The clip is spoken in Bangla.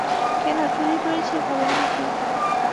কেন, চুরি করেছি ভাবেন নাকি?